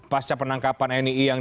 pasca penangkapan nii yang